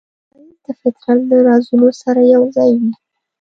ښایست د فطرت له رازونو سره یوځای وي